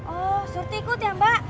oh surut ikut ya mbak